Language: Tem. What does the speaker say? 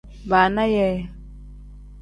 Baana yee.